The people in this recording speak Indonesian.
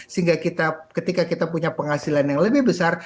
sehingga ketika kita punya penghasilan yang lebih besar